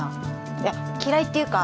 いや嫌いっていうか